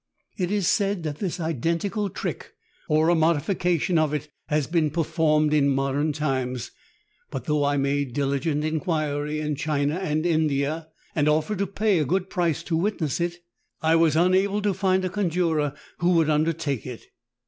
It is said that this identical trick or a modification of it has been performed in modern times, but though I made diligent inquiry in China and India and offered to pay a good price to witness it, I was unable to find a conjurer who would under take it.